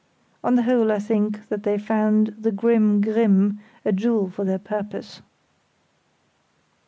On the whole I think that they found the grim Grimm a jewel for their purpose.